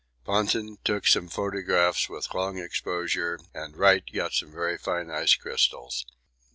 Ponting took some photographs with long exposure and Wright got some very fine ice crystals.